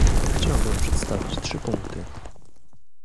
Chciałbym przedstawić trzy punkty